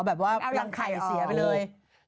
เอาอย่างไข่เสียไปเลย